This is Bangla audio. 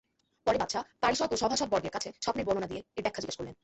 পরে বাদশাহ পারিষদ ও সভাসদবর্গের কাছে স্বপ্নের বর্ণনা দিয়ে এর ব্যাখ্যা জিজ্ঞেস করলেন।